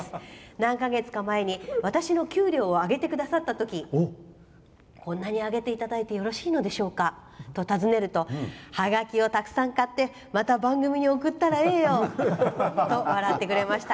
何か月か前に私の給料を上げてくださったときこんなに上げていただいてよろしいのでしょうかと尋ねるとはがきをたくさん買ってまた番組に送ったらええよと笑ってくれました。